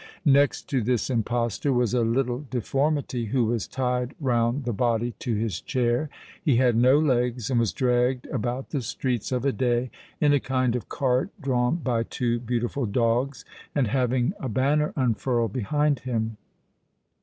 Next to this impostor was a little deformity who was tied round the body to his chair. He had no legs, and was dragged about the streets of a day in a kind of cart drawn by two beautiful dogs, and having a banner unfurled behind him.